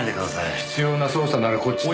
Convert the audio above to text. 必要な捜査ならこっちで。